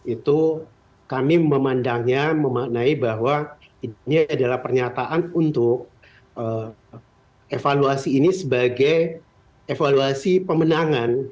itu kami memandangnya memaknai bahwa ini adalah pernyataan untuk evaluasi ini sebagai evaluasi pemenangan